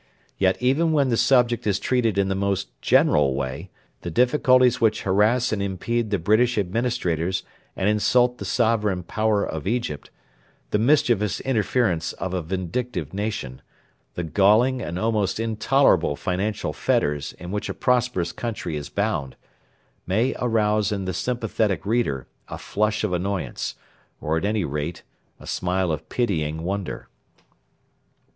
Yet even when the subject is treated in the most general way the difficulties which harass and impede the British administrators and insult the sovereign power of Egypt the mischievous interference of a vindictive nation, the galling and almost intolerable financial fetters in which a prosperous country is bound may arouse in the sympathetic reader a flush of annoyance, or at any rate a smile of pitying wonder.